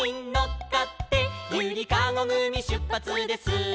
「ゆりかごぐみしゅっぱつです」